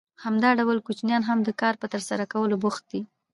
همدا ډول کوچنیان هم د کار په ترسره کولو بوخت دي